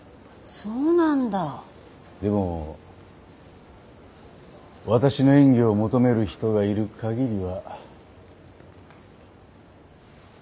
でも私の演技を求める人がいる限りは。